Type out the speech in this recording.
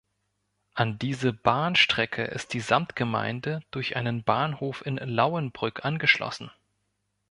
An diese Bahnstrecke ist die Samtgemeinde durch einen Bahnhof in Lauenbrück angeschlossen.